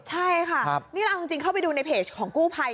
ใช่ค่ะนี่เราเอาจริงเข้าไปดูในเพจของกู้ภัย